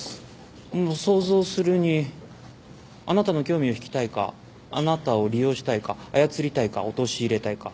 想像するにあなたの興味を引きたいかあなたを利用したいか操りたいか陥れたいか。